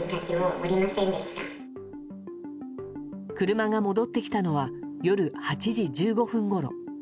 車が戻ってきたのは夜８時１５分ごろ。